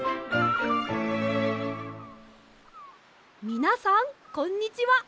みなさんこんにちは。